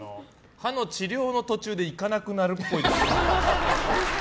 歯の治療の途中で行かなくなるっぽい。